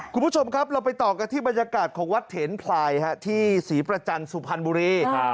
คุณผู้ชมครับเราไปต่อกันที่บรรยากาศของวัดเถนพลายที่ศรีประจันทร์สุพรรณบุรี